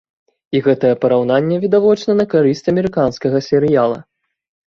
І гэтае параўнанне відавочна на карысць амерыканскага серыяла.